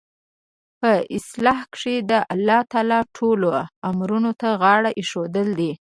په اصطلاح کښي د الله تعالی ټولو امورو ته غاړه ایښودل دي.